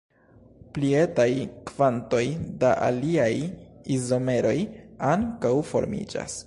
Pli etaj kvantoj da aliaj izomeroj ankaŭ formiĝas.